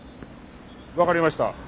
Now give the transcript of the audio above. わかりました。